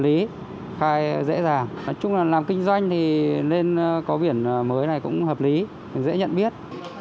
lý khai dễ dàng nói chung là làm kinh doanh thì nên có biển mới này cũng hợp lý dễ nhận biết